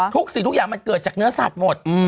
สิ่งทุกอย่างมันเกิดจากเนื้อสัตว์หมด